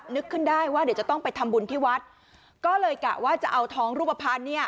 นึกขึ้นได้ว่าเดี๋ยวจะต้องไปทำบุญที่วัดก็เลยกะว่าจะเอาทองรูปภัณฑ์เนี่ย